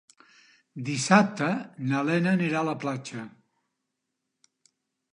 Dissabte na Lena anirà a la platja.